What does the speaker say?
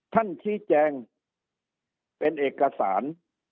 ท่านชี้แจงเป็นเอกสาร